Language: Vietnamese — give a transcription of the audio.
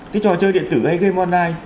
cái trò chơi điện tử hay game online